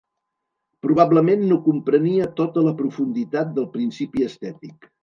Probablement no comprenia tota la profunditat del principi estètic